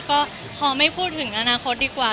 ก็ขอไม่พูดถึงอนาคตดีกว่า